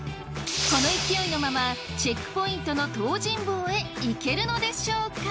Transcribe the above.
この勢いのままチェックポイントの東尋坊へ行けるのでしょうか？